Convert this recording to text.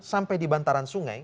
sampai di bantaran sungai